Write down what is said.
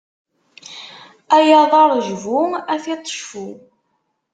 Ay aḍaṛ jbu, a tiṭ cfu!